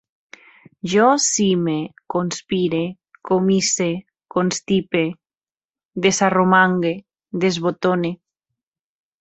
Jo cime, conspire, comisse, constipe, desarromangue, desbotone